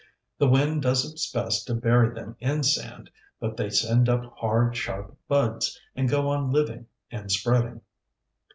The wind does its best to bury them in sand, but they send up hard, sharp buds, and go on living, and spreading.